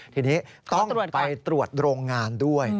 ทีนี้ต้องไปตรวจโรงงานด้วย